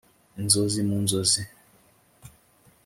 inzozi mu nzozi